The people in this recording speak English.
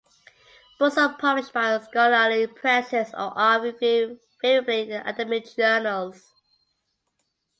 Books are published by scholarly presses or are reviewed favorably in academic journals.